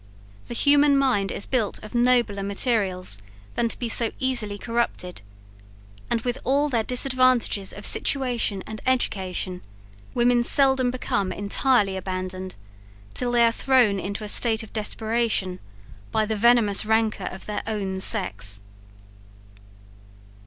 The human mind is built of nobler materials than to be so easily corrupted; and with all their disadvantages of situation and education, women seldom become entirely abandoned till they are thrown into a state of desperation, by the venomous rancour of their own sex."